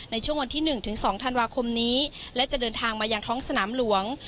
ในช่วงวันที่๑๒ธันวาคมนี้และจะเดินทางมายังท้องสนามหลวง